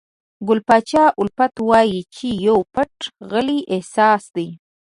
ګل پاچا الفت وایي چې پو پټ غلی احساس دی.